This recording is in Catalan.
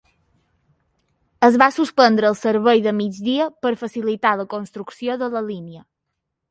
Es va suspendre el servei de migdia per facilitar la construcció de la línia.